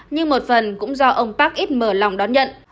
nhưng một phần cũng do ông park ít mở lòng đón nhận